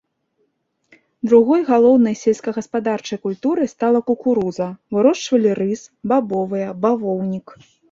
Другой галоўнай сельскагаспадарчай культурай стала кукуруза, вырошчвалі рыс, бабовыя, бавоўнік.